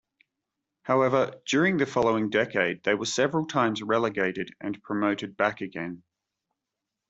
However, during the following decade they were several times relegated and promoted back again.